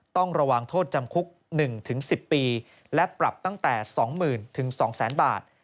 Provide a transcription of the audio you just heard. ต้องระวังโทษจำคุก๑๑๐ปีและปรับตั้งแต่๒๐๐๐๒๐๐๐๐บาท